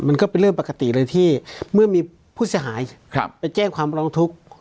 มันก็เป็นเรื่องปกติเลยที่เมื่อมีผู้เสียหายไปแจ้งความร้องทุกข์